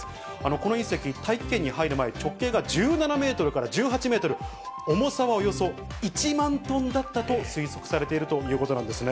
この隕石、大気圏に入る前、直径が１７メートルから１８メートル、重さはおよそ１万トンだったと推測されているということなんです